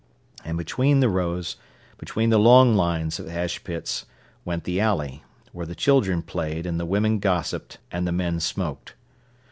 And between the rows, between the long lines of ash pits, went the alley, where the children played and the women gossiped and the men smoked.